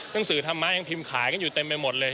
หนังสือธรรมะยังพิมพ์ขายกันอยู่เต็มไปหมดเลย